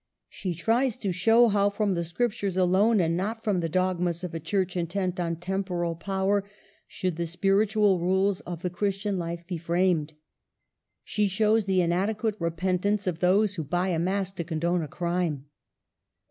She tries to show how from the Scriptures alone, and not from the dogmas of a Church intent on temporal power, should the spiritual rules of the Christian life be framed. She shows the inadequate repentance of those who buy a mass to condone a crime.